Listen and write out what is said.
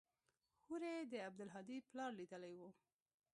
هورې يې د عبدالهادي پلار ليدلى و.